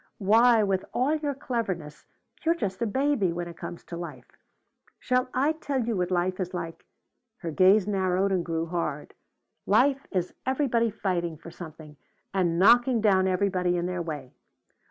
Why with all your cleverness, you're just a baby when it comes to life! Shall I tell you what life is like?" Her gaze narrowed and grew hard. "Life is everybody fighting for something and knocking down everybody in their way.